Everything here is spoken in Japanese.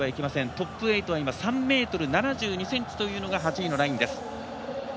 トップ８は３ｍ７２ｃｍというのが８位のラインです。